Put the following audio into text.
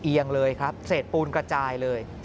เอียงเลยครับเสร็จปูนกระจายเลย